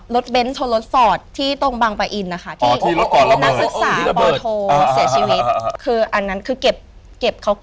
รถเบ้นทนรถศอกที่ตรงบังป้ะอินนะคะ